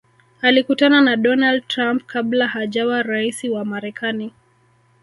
alikutana na donald trump kabla hajawa raisi wa marekani